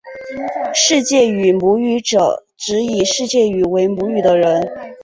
世界语母语者指以世界语为母语的人。